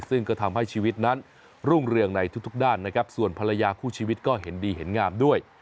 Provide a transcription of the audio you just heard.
ซึ่งก็ทำให้ชีวิตนั้นรุ่งเรืองในทุกด้านนะครับส่วนภรรยาคู่ชีวิตก็เห็นดีเห็นงามด้วย